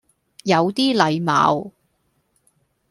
有啲禮貌